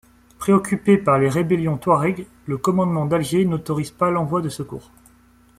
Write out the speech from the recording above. Préoccupé par les rébellions touaregs, le commandement d’Alger n’autorise pas l’envoi de secours.